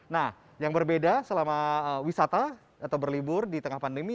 nah yang berbeda selama wisata atau berlibur di tengah pandemi